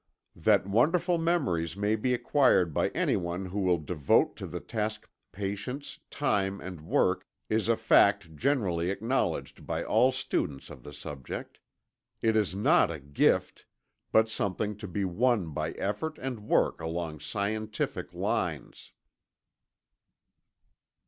That wonderful memories may be acquired by anyone who will devote to the task patience, time and work, is a fact generally acknowledged by all students of the subject. It is not a gift, but something to be won by effort and work along scientific lines.